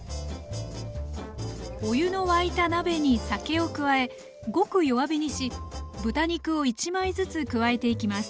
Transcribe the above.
お湯の沸いた鍋に酒を加えごく弱火にし豚肉を１枚ずつ加えていきます。